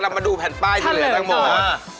เรามาดูแผ่นป้ายที่เหลือทั้งหมด